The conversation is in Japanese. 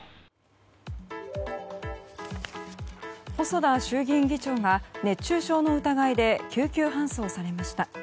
細田衆議院議長が熱中症の疑いで救急搬送されました。